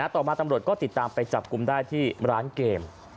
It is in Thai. ต่อมาตำรวจก็ติดตามไปจับกลุ่มได้ที่ร้านเกม